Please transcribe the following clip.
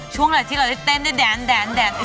ช่วงไหนที่เราจะเต้นได้แดน